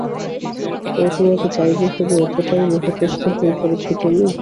ও তোমাকে চাইবে ভেবে এতোটাই মোহগ্রস্ত হয়ে পড়েছো তুমি?